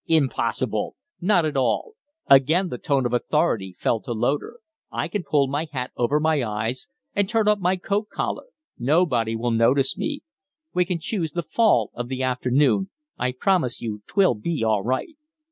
"Impossible!" "Not at all!" Again the tone of authority fell to Loder. "I can pull my hat over my eyes and turn up my coat collar. Nobody will notice me. We can choose the fall of the afternoon. I promise you 'twill be all right."